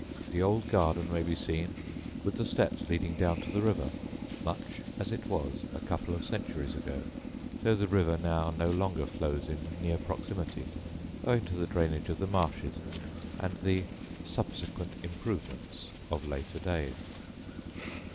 The old garden may be seen with the steps leading down to the river, much as it was a couple of centuries ago, though the river now no longer flows in near proximity, owing to the drainage of the marshes and the "subsequent improvements" of later days.